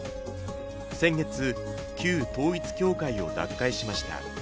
先月、旧統一教会を脱会しました。